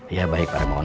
iya baik pak remon